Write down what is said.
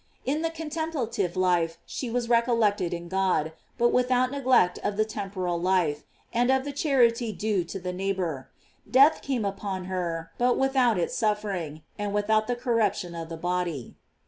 In the contemplative life she was reco21ected in God, but without neglect of the temporal life, and of the char ity due to the neighbor. Death came upon her, but without its suffering, and without the cor ruption of the body.